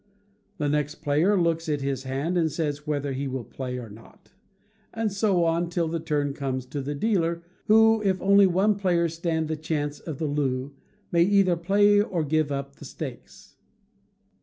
The next player looks at his hand, and says whether he will play or not; and so on, till the turn comes to the dealer, who, if only one player stand the chance of the loo, may either play or give up the stakes.